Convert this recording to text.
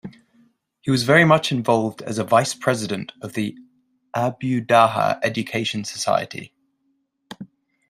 He was very much involved as a Vice-President of the Abhyudaya Education Society.